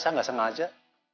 saya gak sengaja